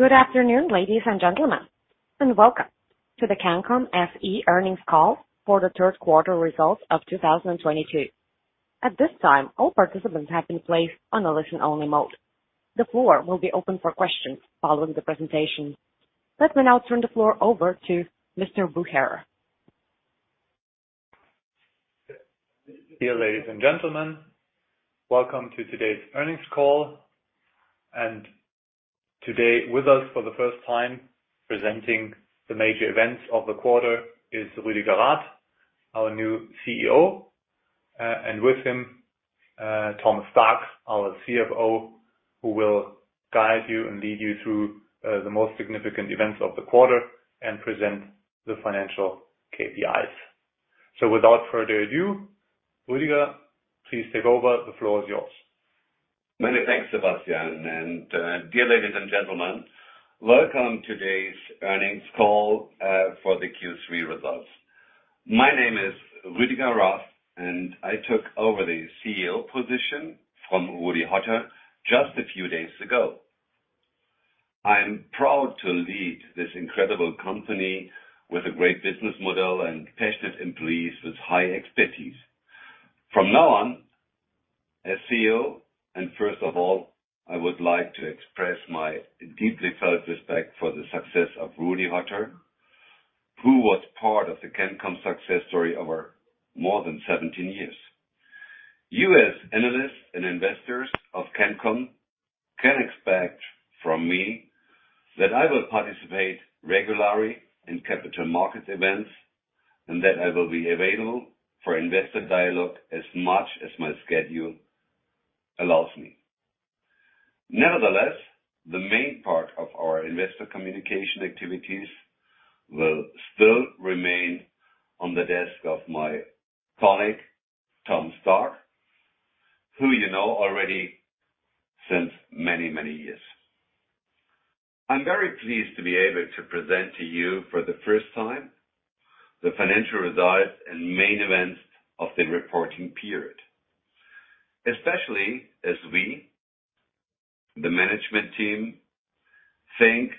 Good afternoon, ladies and gentlemen, and welcome to the CANCOM SE Earnings Call for the Third Quarter Results of 2022. At this time, all participants have been placed on a listen-only mode. The floor will be open for questions following the presentation. Let me now turn the floor over to Mr. Bucher Dear ladies and gentlemen, welcome to today's earnings call. Today with us for the first time presenting the major events of the quarter is Rüdiger Rath, our new CEO. With him, Thomas Stark, our CFO, who will guide you and lead you through the most significant events of the quarter and present the financial KPIs. Without further ado, Rüdiger please take over. The floor is yours. Many thanks, Sebastian. Dear ladies and gentlemen, welcome to today's earnings call for the Q3 results. My name is Rüdiger Rath, and I took over the CEO position from Rudolf Hotter just a few days ago. I'm proud to lead this incredible company with a great business model and passionate employees with high expertise. From now on, as CEO, and first of all, I would like to express my deeply felt respect for the success of Rudolf Hotter, who was part of the CANCOM success story over more than 17 years. You as analysts and investors of CANCOM can expect from me that I will participate regularly in capital market events, and that I will be available for investor dialogue as much as my schedule allows me. Nevertheless, the main part of our investor communication activities will still remain on the desk of my colleague, Thomas Stark, who you know already since many, many years. I'm very pleased to be able to present to you for the first time the financial results and main events of the reporting period. Especially as we, the management team, think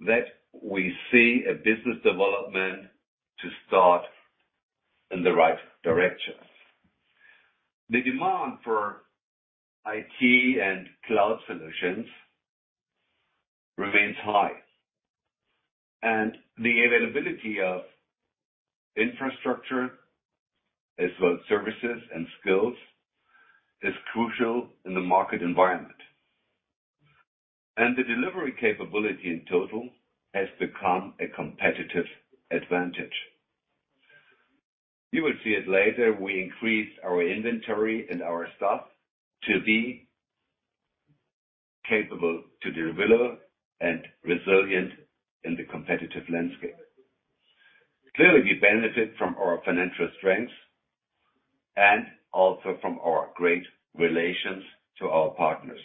that we see a business development to start in the right direction. The demand for IT and cloud solutions remains high, and the availability of infrastructure as well as services and skills is crucial in the market environment. The delivery capability in total has become a competitive advantage. You will see it later, we increased our inventory and our staff to be capable to deliver and resilient in the competitive landscape. Clearly, we benefit from our financial strengths and also from our great relations to our partners.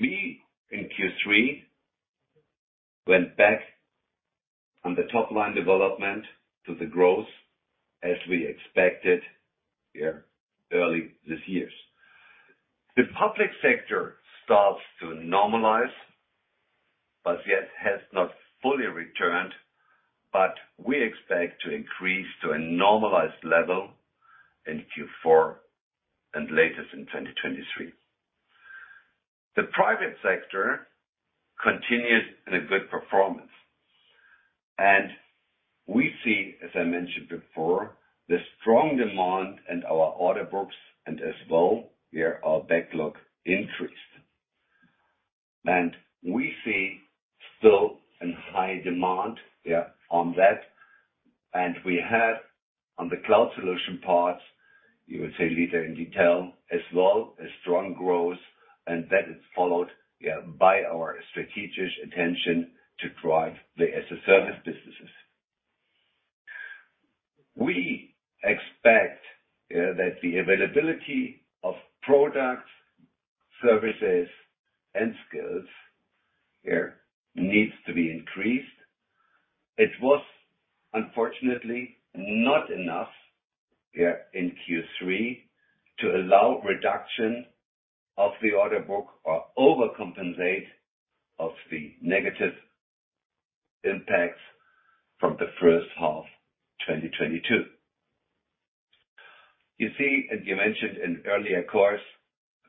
We in Q3 went back on the top line development to the growth as we expected early this year. The public sector starts to normalize, but yet has not fully returned, but we expect to increase to a normalized level in Q4 and latest in 2023. The private sector continues in a good performance. We see, as I mentioned before, the strong demand in our order books and as well our backlog increased. We see still a high demand on that. We have on the cloud solution parts, you will see later in detail, as well, a strong growth, and that is followed by our strategic intention to drive the as a service businesses. We expect that the availability of products, services, and skills needs to be increased. It was unfortunately not enough in Q3 to allow reduction of the order book or overcompensate of the negative impacts from the first half 2022. You see, as you mentioned in earlier conference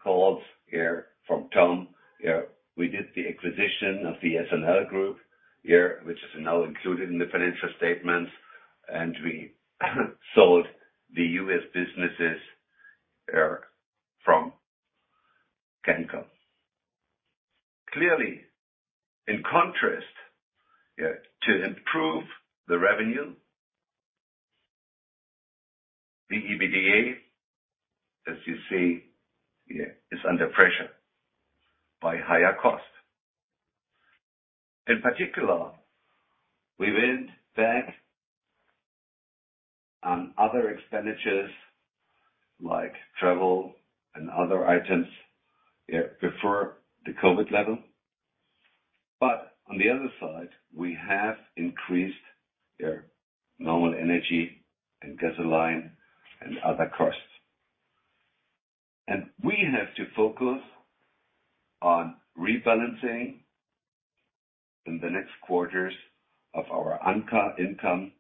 calls from Tom, we did the acquisition of the S&L Group, which is now included in the financial statements, and we sold the U.S. businesses from CANCOM. Clearly, in contrast, the revenue improved, the EBITDA, as you see here, is under pressure by higher cost. In particular, we cut back on other expenditures like travel and other items to pre-COVID levels. On the other side, we have increased our normal energy and gasoline and other costs. We have to focus on rebalancing in the next quarters of our income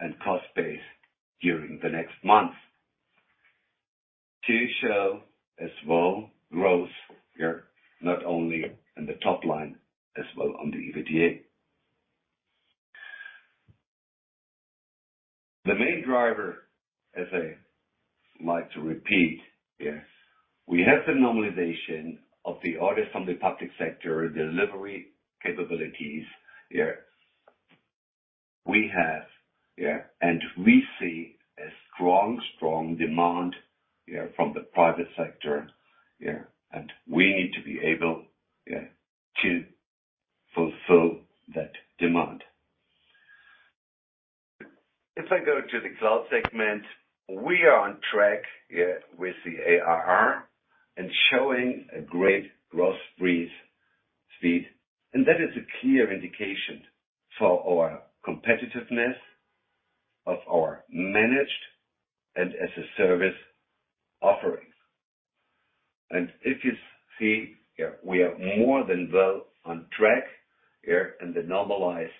and cost base during the next months to show as well growth here, not only in the top line, as well on the EBITDA. The main driver, as I like to repeat, we have the normalization of the orders from the public sector delivery capabilities. We have, and we see a strong demand from the private sector, and we need to be able to fulfill that demand. If I go to the cloud segment, we are on track with the ARR and showing a great growth full speed. That is a clear indication for our competitiveness of our managed and as-a-service offerings. If you see, we are more than well on track here in the normalized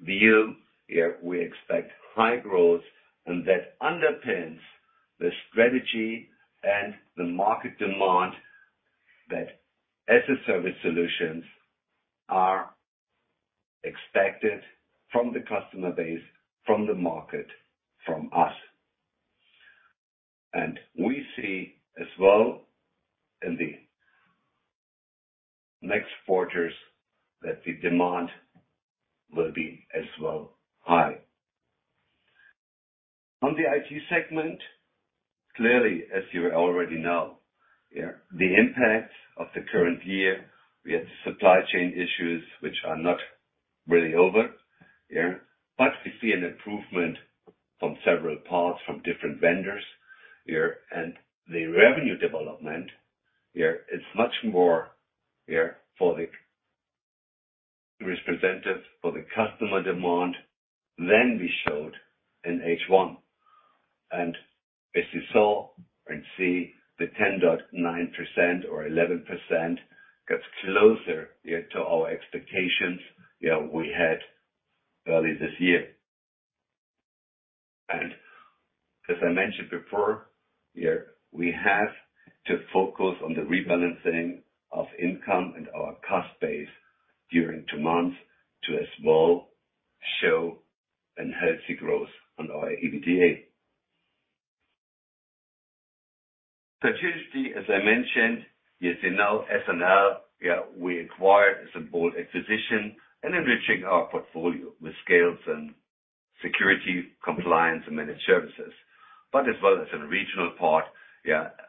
view. Here, we expect high growth, and that underpins the strategy and the market demand that as-a-service solutions are expected from the customer base, from the market, from us. We see as well in the next quarters that the demand will be as well high. On the IT segment, clearly, as you already know, the impact of the current year, we have supply chain issues which are not really over. We see an improvement from several parts from different vendors here. The revenue development here is much more representative of the customer demand than we showed in H1. As you saw and see the 10.9% or 11% gets closer to our expectations we had early this year. As I mentioned before, we have to focus on the rebalancing of income and our cost base during two months to also show a healthy growth on our EBITDA. Strategically, as I mentioned, you know, S&L, we acquired as a bolt-on acquisition and enriching our portfolio with SaaS and security, compliance and managed services. But as well as in regional part,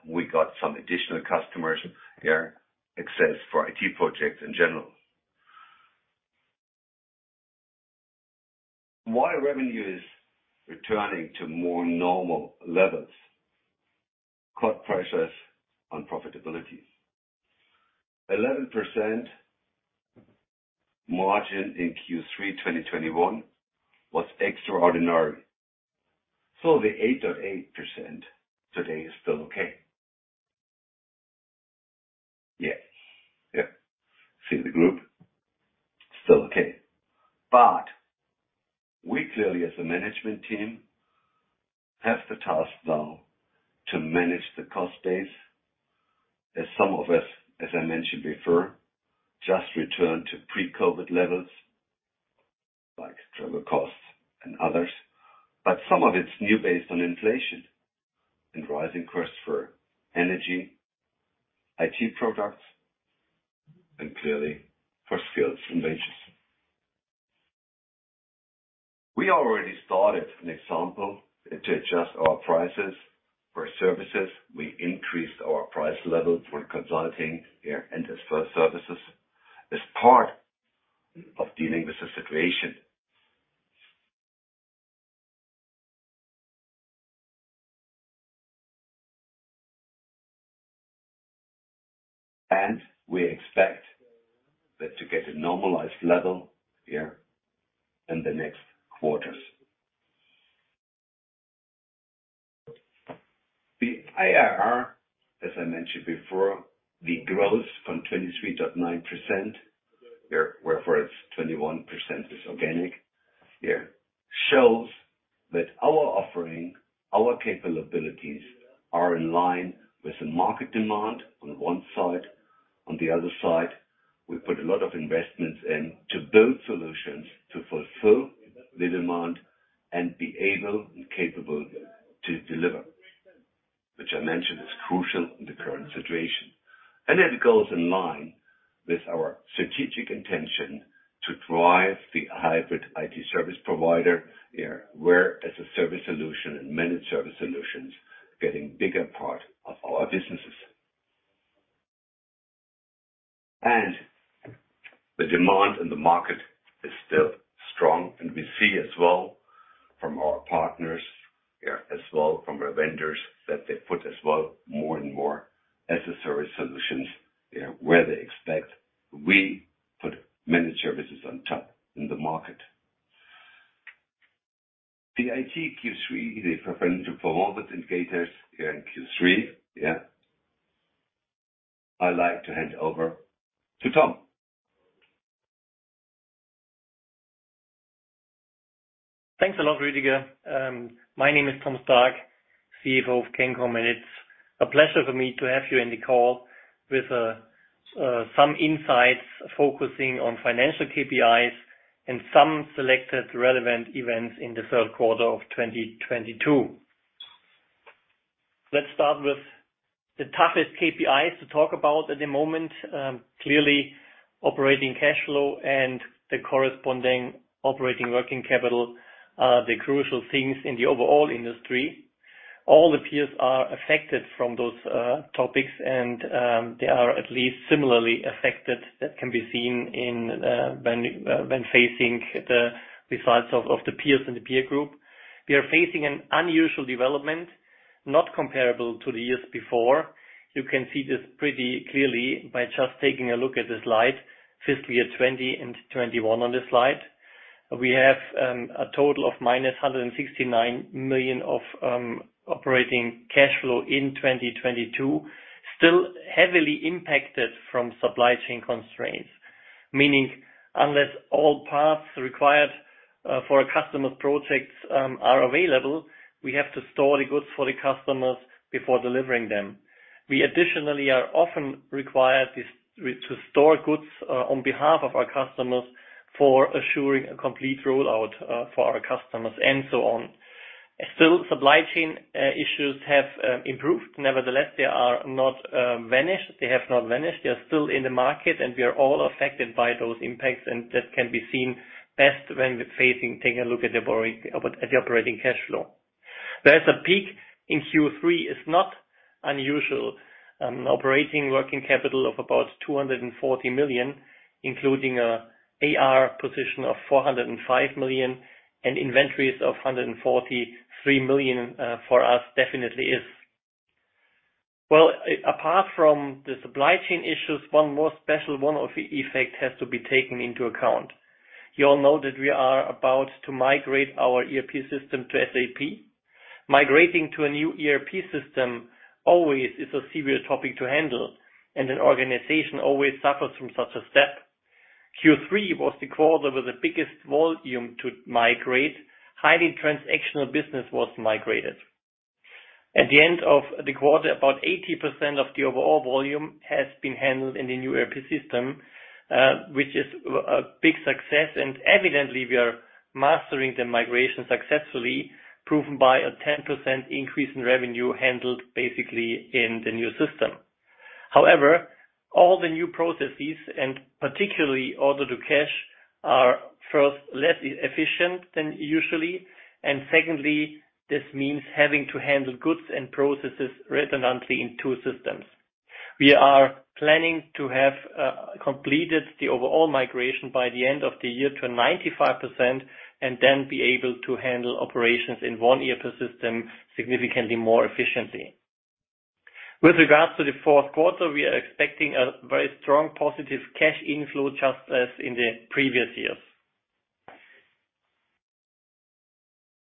we got some additional customers here, especially for IT projects in general. While revenue is returning to more normal levels, putting pressure on profitability. 11% margin in Q3 2021 was extraordinary. The 8.8% today is still okay. For the group, still okay. But we clearly, as a management team, have the task now to manage the cost base as some of us, as I mentioned before, just returned to pre-COVID levels, like travel costs and others. Some of it's new based on inflation and rising costs for energy, IT products, and clearly for skills and wages. We already started, for example, to adjust our prices for services. We increased our price level for consulting here, and as for services as part of dealing with the situation. We expect that to get a normalized level here in the next quarters. The ARR, as I mentioned before, the growth from 23.9% here, whereof it's 21% is organic, yeah, shows that our offering, our capabilities are in line with the market demand on one side. On the other side, we put a lot of investments in to build solutions to fulfill the demand and be able and capable to deliver, which I mentioned is crucial in the current situation. It goes in line with our strategic intention to drive the hybrid IT service provider here, where as-a-service solutions and managed service solutions are getting bigger part of our businesses. The demand in the market is still strong, and we see as well from our partners, yeah, as well from our vendors that they put as well more and more as-a-service solutions, yeah, where they expect we put managed services on top in the market. The KPIs, the performance indicators here in Q3, yeah. I'd like to hand over to Tom. Thanks a lot, Rüdiger. My name is Thomas Stark, CFO of CANCOM, and it's a pleasure for me to have you in the call with some insights focusing on financial KPIs and some selected relevant events in the third quarter of 2022. Let's start with the toughest KPIs to talk about at the moment. Clearly, operating cash flow and the corresponding operating working capital are the crucial things in the overall industry. All the peers are affected from those topics, and they are at least similarly affected. That can be seen in when facing the results of the peers in the peer group. We are facing an unusual development, not comparable to the years before. You can see this pretty clearly by just taking a look at the slide, fiscal year 2020 and 2021 on the slide. We have a total of -169 million of operating cash flow in 2022, still heavily impacted from supply chain constraints. Meaning, unless all parts required for a customer's projects are available, we have to store the goods for the customers before delivering them. We additionally are often required to store goods on behalf of our customers for assuring a complete rollout for our customers, and so on. Still, supply chain issues have improved. Nevertheless, they are not vanished. They have not vanished. They are still in the market, and we are all affected by those impacts, and that can be seen best when you take a look at the operating cash flow. There's a peak in Q3. That is not unusual. Operating working capital of about 240 million, including AR position of 405 million, and inventories of 143 million, for us definitely is. Well, apart from the supply chain issues, one more special one-off effect has to be taken into account. You all know that we are about to migrate our ERP system to SAP. Migrating to a new ERP system always is a serious topic to handle, and an organization always suffers from such a step. Q3 was the quarter with the biggest volume to migrate. Highly transactional business was migrated. At the end of the quarter, about 80% of the overall volume has been handled in the new ERP system, which is a big success. Evidently, we are mastering the migration successfully, proven by a 10% increase in revenue handled basically in the new system. However, all the new processes, and particularly order to cash, are first less efficient than usually. Secondly, this means having to handle goods and processes redundantly in two systems. We are planning to have completed the overall migration by the end of the year to 95%, and then be able to handle operations in one ERP system significantly more efficiently. With regards to the fourth quarter, we are expecting a very strong positive cash inflow, just as in the previous years.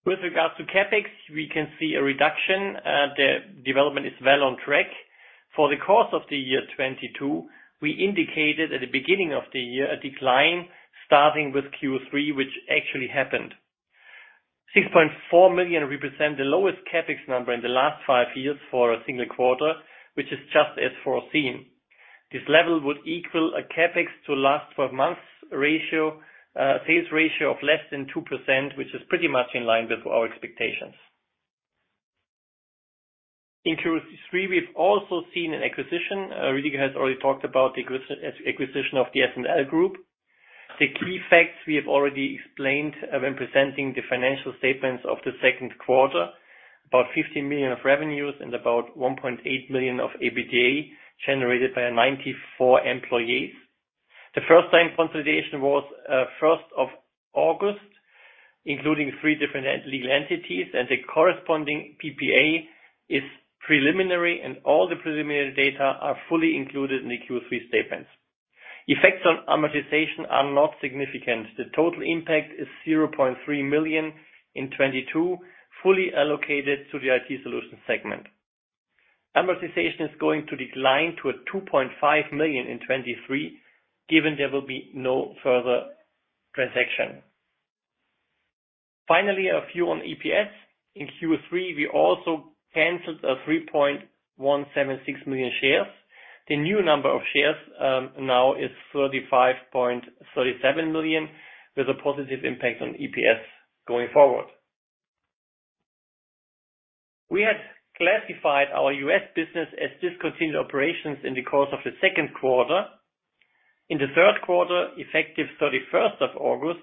With regards to CapEx, we can see a reduction. The development is well on track. For the course of the year 2022, we indicated at the beginning of the year a decline starting with Q3, which actually happened. 6.4 million represent the lowest CapEx number in the last 5 years for a single quarter, which is just as foreseen. This level would equal a CapEx to last 12 months ratio, sales ratio of less than 2%, which is pretty much in line with our expectations. In Q3, we've also seen an acquisition. Rüdiger has already talked about the acquisition of the S&L Group. The key facts we have already explained when presenting the financial statements of the second quarter. About 15 million of revenues and about 1.8 million of EBITDA generated by 94 employees. The first time consolidation was first of August, including three different legal entities, and the corresponding PPA is preliminary, and all the preliminary data are fully included in the Q3 statements. Effects on amortization are not significant. The total impact is 0.3 million in 2022, fully allocated to the IT solution segment. Amortization is going to decline to 2.5 million in 2023, given there will be no further transaction. Finally, a few on EPS. In Q3, we also canceled 3.176 million shares. The new number of shares now is 35.37 million, with a positive impact on EPS going forward. We had classified our U.S. business as discontinued operations in the course of the second quarter. In the third quarter, effective 31st of August,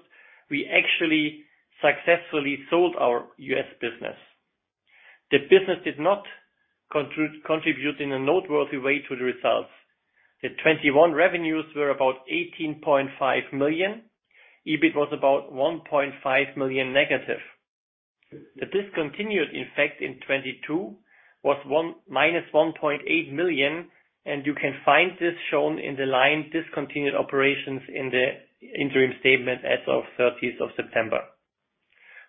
we actually successfully sold our U.S. business. The business did not contribute in a noteworthy way to the results. The 2021 revenues were about 18.5 million. EBIT was about 1.5 million negative. The discontinued effect in 2022 was minus 1.8 million, and you can find this shown in the line discontinued operations in the interim statement as of thirtieth of September.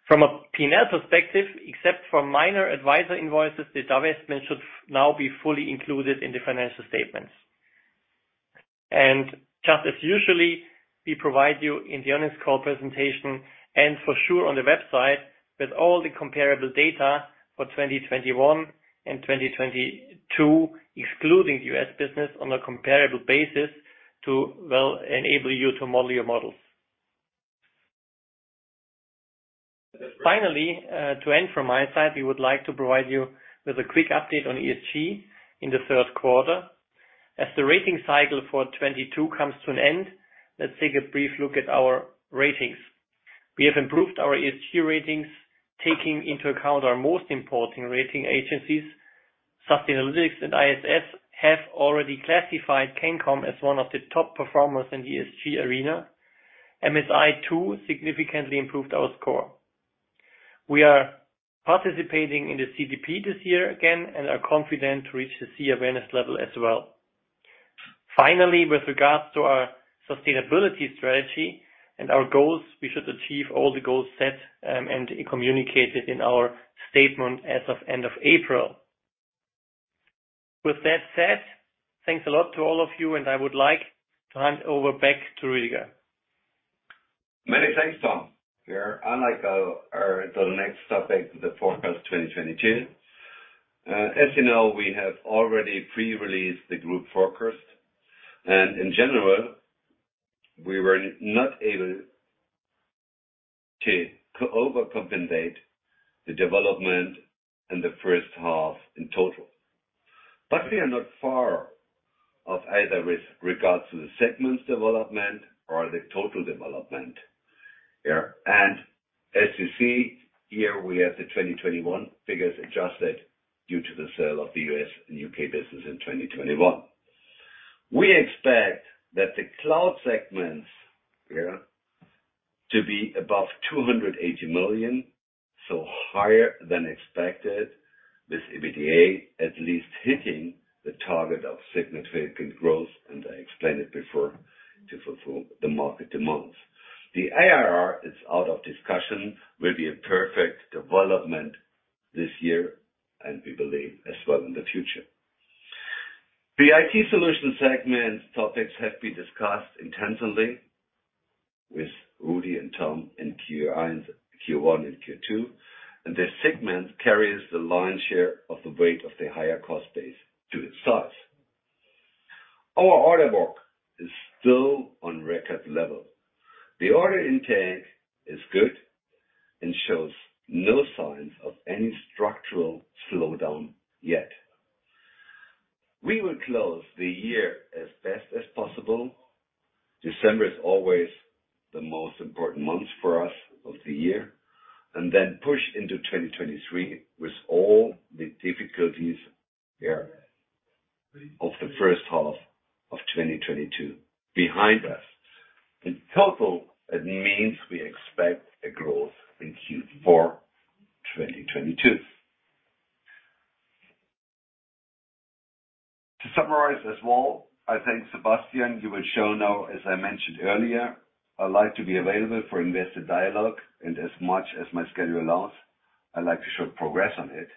From a P&L perspective, except for minor advisor invoices, the divestment should now be fully included in the financial statements. Just as usually, we provide you in the earnings call presentation, and for sure on the website, with all the comparable data for 2021 and 2022, excluding U.S. business on a comparable basis to, well, enable you to model your models. Finally, to end from my side, we would like to provide you with a quick update on ESG in the third quarter. As the rating cycle for 2022 comes to an end, let's take a brief look at our ratings. We have improved our ESG ratings, taking into account our most important rating agencies. Sustainalytics and ISS have already classified CANCOM as one of the top performers in the ESG arena. MSCI too significantly improved our score. We are participating in the CDP this year again, and are confident to reach the C awareness level as well. Finally, with regards to our sustainability strategy and our goals, we should achieve all the goals set, and communicated in our statement as of end of April. With that said, thanks a lot to all of you, and I would like to hand over back to Rüdiger. Many thanks, Tom. Yeah. I like the next topic, the forecast 2022. As you know, we have already pre-released the group forecast and in general, we were not able to overcompensate the development in the first half in total. We are not far off either with regards to the segments development or the total development. Yeah. As you see here, we have the 2021 figures adjusted due to the sale of the U.S. and U.K. business in 2021. We expect that the cloud segments to be above 280 million, so higher than expected, with EBITDA at least hitting the target of significant growth, and I explained it before to fulfill the market demands. The ARR is out of discussion, will be a perfect development this year and we believe as well in the future. The IT solution segment topics have been discussed intensely with Rudi and Tom in Q1 and Q2, and this segment carries the lion's share of the weight of the higher cost base to its size. Our order book is still on record level. The order intake is good and shows no signs of any structural slowdown yet. We will close the year as best as possible. December is always the most important month for us of the year, and then push into 2023 with all the difficulties here of the first half of 2022 behind us. In total, it means we expect a growth in Q4 2022. To summarize as well, I thank Sebastian. We will show now, as I mentioned earlier. I like to be available for investor dialogue, and as much as my schedule allows, I like to show progress on it.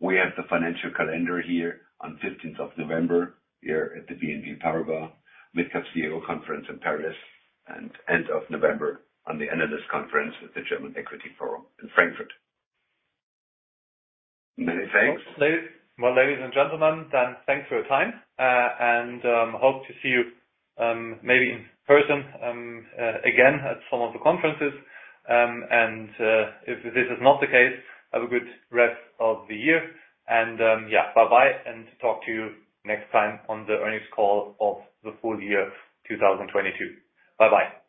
We have the financial calendar here on the 15th of November here at the BNP Paribas Exane MidCap CEO Conference in Paris, and end of November on the NLS conference with the German Equity Forum in Frankfurt. Many thanks. Well, ladies and gentlemen, then thanks for your time, and hope to see you, maybe in person, again at some of the conferences. If this is not the case, have a good rest of the year and, yeah, bye-bye, and talk to you next time on the earnings call of the full year 2022. Bye-bye.